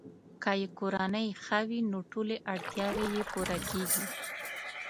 که یې کورنۍ ښه وي، نو ټولې اړتیاوې یې پوره کیږي.